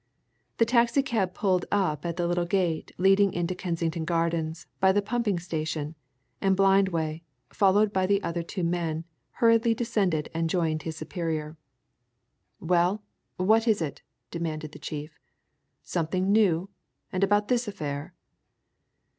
The taxi cab pulled up at the little gate leading into Kensington Gardens by the pumping station, and Blindway, followed by two other men, hurriedly descended and joined his superior. "Well, what is it?" demanded the chief. "Something new? And about this affair?"